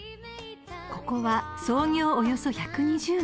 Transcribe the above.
［ここは創業およそ１２０年